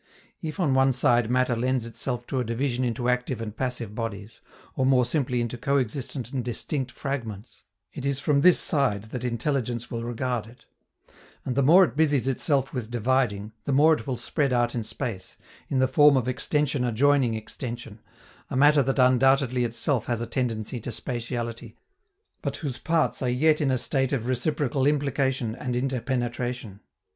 If on one side matter lends itself to a division into active and passive bodies, or more simply into coexistent and distinct fragments, it is from this side that intelligence will regard it; and the more it busies itself with dividing, the more it will spread out in space, in the form of extension adjoining extension, a matter that undoubtedly itself has a tendency to spatiality, but whose parts are yet in a state of reciprocal implication and interpenetration.